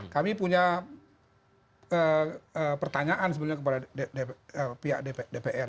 kami punya pertanyaan sebenarnya kepada pihak dpr